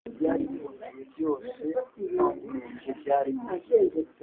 byari biboneye byose, nta n'inenge byarimo.